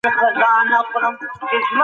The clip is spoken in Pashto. د سياست اصولو وخت په وخت بدلون کړی دی.